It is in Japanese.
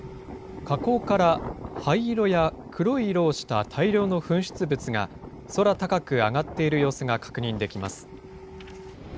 火口から灰色や黒い色をした大量の噴出物が、空高く上がっている様子が確認できます。